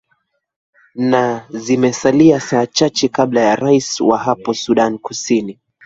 na zimesalia saa chache kabla ya raia wa hapo sudan kusini